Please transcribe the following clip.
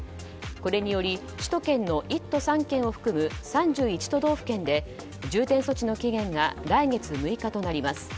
これにより首都圏の１都３県を含む３１都道府県で重点措置の期限が来月６日となります。